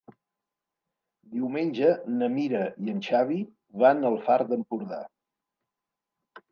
Diumenge na Mira i en Xavi van al Far d'Empordà.